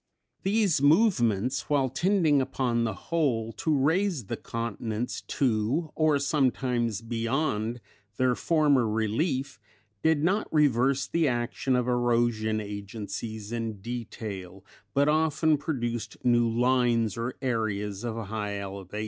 These movements while tending upon the whole to raise the continents to or sometimes beyond their former relief, did not reverse the action of erosion agencies in detail, but often produced new lines or areas of high elevation.